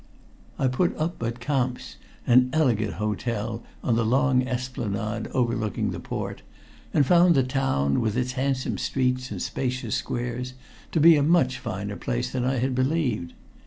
I put up at Kamp's, an elegant hotel on the long esplanade overlooking the port, and found the town, with its handsome streets and spacious squares, to be a much finer place than I had believed.